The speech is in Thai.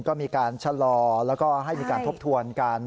ก็มีการชะลอแล้วก็ให้มีการทบทวนกัน